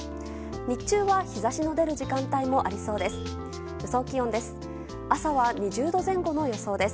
日中は、日差しの出る時間帯もありそうです。